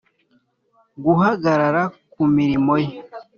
guhagarara ku mirimo ye